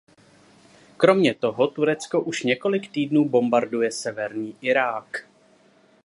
Kromě toho, Turecko už několik týdnů bombarduje severní Irák.